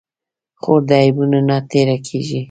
خور د عیبونو نه تېره کېږي.